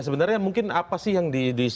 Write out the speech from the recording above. sebenarnya mungkin apa sih yang di